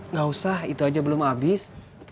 nggak usah itu aja belum habis